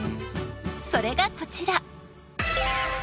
それがこちら。